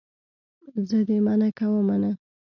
زه دې منع کومه نه.